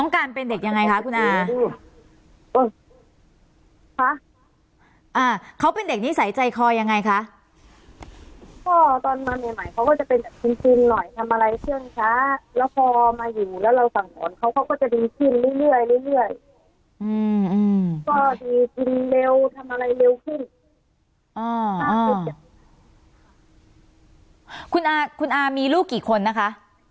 คุณอ่าคุณอ่ามีลูกกี่คนนะคะ